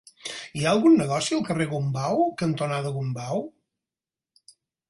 Hi ha algun negoci al carrer Gombau cantonada Gombau?